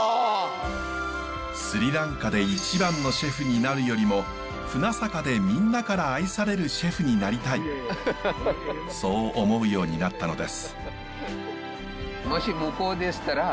スリランカで一番のシェフになるよりも船坂でみんなから愛されるシェフになりたいそう思うようになったのです。